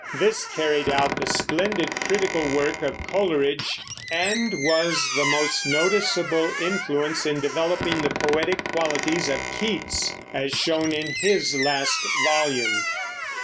This carried out the splendid critical work of Coleridge, and was the most noticeable influence in developing the poetic qualities of Keats, as shown in his last volume.